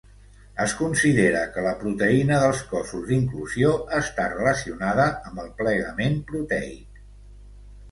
Es considera que la proteïna dels cossos d'inclusió està relacionada amb el plegament proteic.